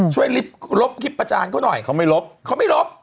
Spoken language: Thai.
ช่วยลบคลิปประจานเขาหน่อยเขาไม่ลบ